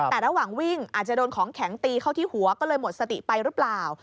แต่ระหว่างวิ่งอาจจะโดนของแข็งตีเข้าที่หัวก็เลยหมดสติไปหรือเปล่า